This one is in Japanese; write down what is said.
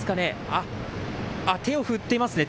あっ、手を振っていますね。